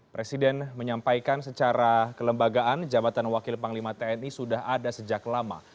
presiden menyampaikan secara kelembagaan jabatan wakil panglima tni sudah ada sejak lama